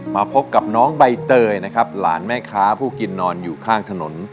มาพบกับน้องใบเตยนะครับหลานแม่ค้าผู้กินนอนอยู่ข้างถนน